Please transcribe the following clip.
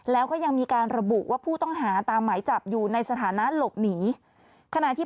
และก็ยังมีการระบุว่าผู้ต้องหาตามหายจับอยู่ในสถานลบหนี